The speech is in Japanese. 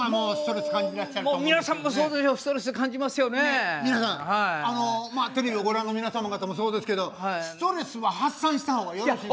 ねえ皆さんテレビをご覧の皆様方もそうですけどストレスは発散した方がよろしい。